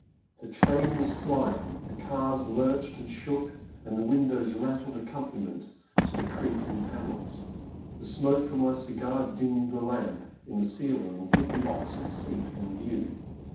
The train was flpng ,* the cars lurched and 382 The Man at the Next TaUe. shook, and the windows rattled accompaniment to the creaking panels. The smoke from my cigar dimmed the lamp in the ceiling and hid the opposite seat from view.